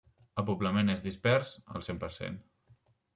El poblament és dispers al cent per cent.